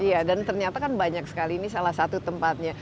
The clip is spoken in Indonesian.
iya dan ternyata kan banyak sekali ini salah satu tempatnya